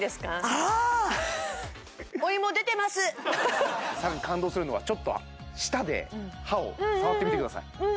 ああさらに感動するのはちょっと舌で歯を触ってみてくださいうんうんうん